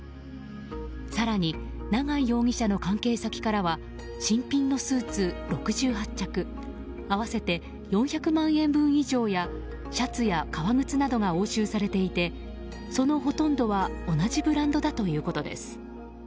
更に永井容疑者の関係先からは新品のスーツ６８着合わせて４００万円分以上やシャツや革靴などが押収されていてそのほとんどは同じブランドだということです。